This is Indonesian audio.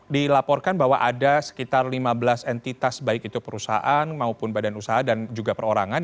dilaporkan bahwa ada sekitar lima belas entitas baik itu perusahaan maupun badan usaha dan juga perorangan